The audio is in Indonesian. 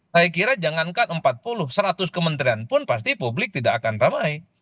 saya kira jangankan empat puluh seratus kementerian pun pasti publik tidak akan ramai